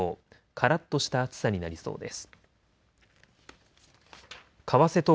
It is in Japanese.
からっとした暑さになりそうです。